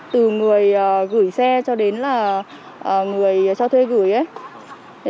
từ người gửi xe cho đến là người cho thuê gửi ấy